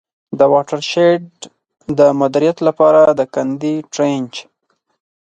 د واټر شید د مدیریت له پاره د کندي Trench.